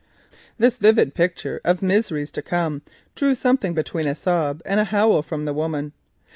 This vivid picture of miseries to come drew something between a sob and a howl from the woman.